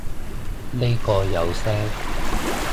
呢個有聲